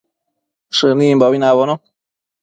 Shënimbo nabono